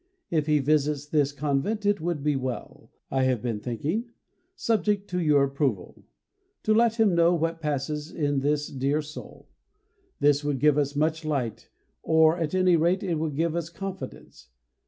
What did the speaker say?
If he visits this convent it would be well, I have been thinking, subject to your approval, to let him know what passes in this dear soul: this would give us much light, or at any rate it would give us confidence.